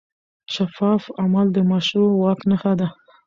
شفاف عمل د مشروع واک نښه ده.